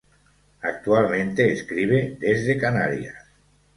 Actualmente escribe "desde" Canarias.